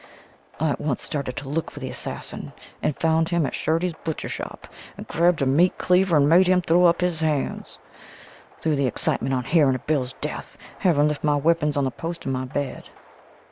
I at once started to look for the assassian and found him at Shurdy's butcher shop and grabbed a meat cleaver and made him throw up his hands; through the excitement on hearing of Bill's death, having left my weapons on the post of my bed.